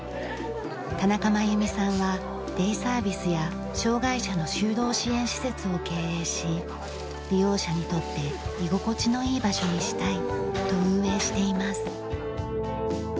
田中真由美さんはデイサービスや障害者の就労支援施設を経営し利用者にとって居心地のいい場所にしたいと運営しています。